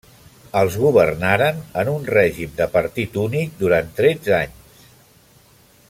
Els governaren en un règim de partit únic durant tretze anys.